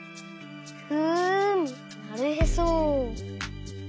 ふんなるへそ。